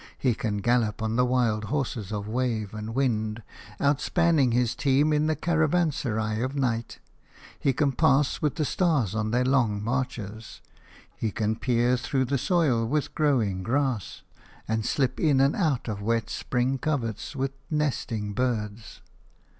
He can gallop on the wild horses of wave and wind, outspanning his team in the caravanserai of night. He can pass with the stars on their long marches. He can peer through the soil with growing grass and slip in and out of wet spring coverts with nesting birds.